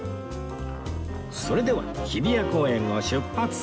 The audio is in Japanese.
それでは日比谷公園を出発！